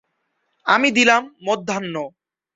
আমি দিলাম মধ্যাহ্ন।